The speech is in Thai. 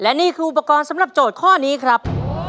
และนี่คืออุปกรณ์สำหรับโจทย์ข้อนี้ครับ